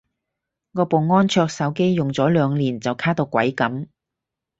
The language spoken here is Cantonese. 我部安卓手機用咗兩年就卡到鬼噉